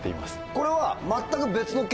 これは。